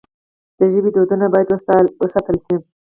د ژبې دودونه باید وساتل سي.